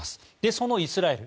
そのイスラエル